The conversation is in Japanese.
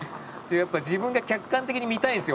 「やっぱ自分が客観的に見たいんですよ